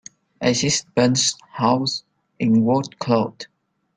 Acid burns holes in wool cloth.